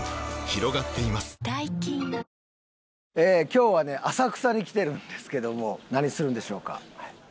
今日はね浅草に来てるんですけども何するんでしょうか？